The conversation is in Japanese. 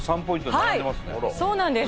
はいそうなんです